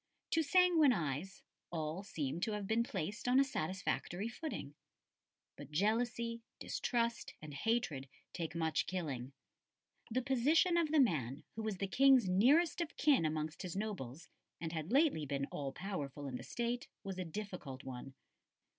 To sanguine eyes all seemed to have been placed on a satisfactory footing; but jealousy, distrust, and hatred take much killing. The position of the man who was the King's nearest of kin amongst his nobles, and had lately been all powerful in the State, was a difficult one.